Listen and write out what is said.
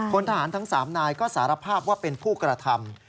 ทหารทั้ง๓นายก็สารภาพว่าเป็นผู้กระทำ